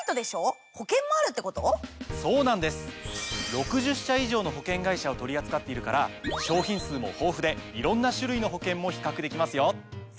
６０社以上の保険会社を取り扱っているから商品数も豊富でいろんな種類の保険も比較できますよ。